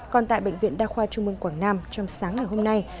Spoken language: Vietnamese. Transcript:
còn tại bệnh viện đa khoa trung mương quảng nam trong sáng ngày hôm nay